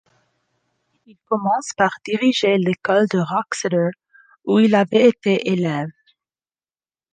Il commence par diriger l'école de Wroxeter où il avait été élève.